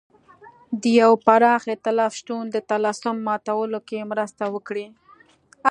د یوه پراخ اېتلاف شتون د طلسم ماتولو کې مرسته وکړي.